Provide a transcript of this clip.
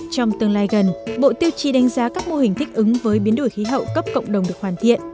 trong tương lai gần bộ tiêu chí đánh giá các mô hình thích ứng với biến đổi khí hậu cấp cộng đồng được hoàn thiện